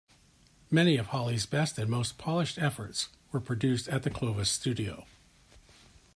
Many of Holly's best and most polished efforts were produced at the Clovis studio.